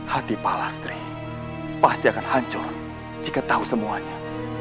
hati palastri pasti akan hancur jika tahu semuanya